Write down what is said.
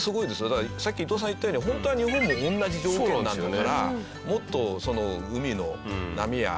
だからさっきいとうさんが言ったように本当は日本も同じ条件なんだからもっとその海の波や。